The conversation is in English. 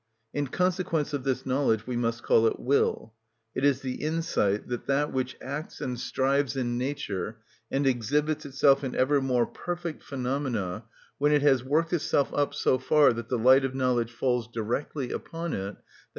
In consequence of this knowledge we must call it will. It is the insight that that which acts and strives in nature, and exhibits itself in ever more perfect phenomena, when it has worked itself up so far that the light of knowledge falls directly upon it, _i.